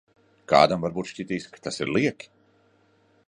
Kādam varbūt šķitīs, ka tas ir lieki.